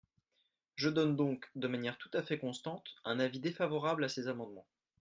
Je donne donc, de manière tout à fait constante, un avis défavorable à ces amendements.